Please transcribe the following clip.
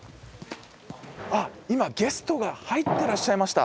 あっ今ゲストが入ってらっしゃいました。